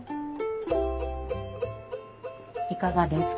いかがですか？